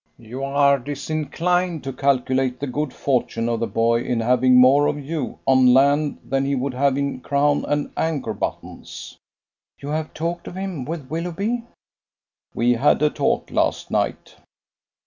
"You are disinclined to calculate the good fortune of the boy in having more of you on land than he would have in crown and anchor buttons!" "You have talked of him with Willoughby." "We had a talk last night."